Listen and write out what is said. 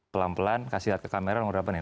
pelan pelan kasih lihat ke kamera nomor berapa nih